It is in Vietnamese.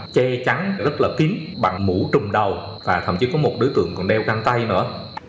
che trắng rất là kín bằng mũ trùng đầu và thậm chí có một đối tượng còn đeo căng tay nữa